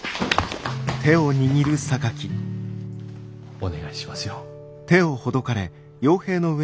お願いしますよ。